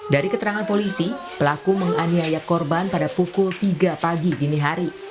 dari keterangan polisi pelaku menganiaya korban pada pukul tiga pagi dini hari